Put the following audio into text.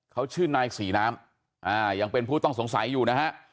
เขาชื่อนายศรีน้ำยังเป็นผู้ต้องสงสัยอยู่นะฮะ